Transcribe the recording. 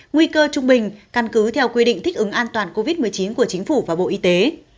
nguy cơ trung bình căn cứ theo quy định thích ứng an toàn covid một mươi chín của chính phủ và bộ y tế